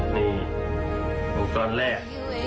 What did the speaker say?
มีเงินก้อนแรก